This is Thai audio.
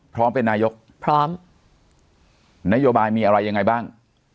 พร้อมเป็นนายกพร้อมนโยบายมีอะไรยังไงบ้าง